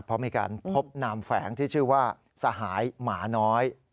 เพราะมีการพบนามแฝงที่ชื่อว่าสหายหมาน้อย